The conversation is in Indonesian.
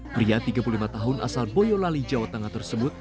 pria tiga puluh lima tahun asal boyolali jawa tengah tersebut